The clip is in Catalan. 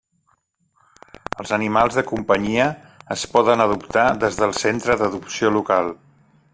Els animals de companyia es poden adoptar des del centre d'adopció local.